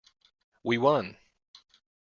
We won!